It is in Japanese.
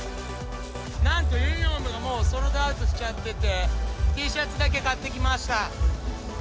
なんとユニホームがソールドアウトしちゃってて、Ｔシャツだけ買ってきました。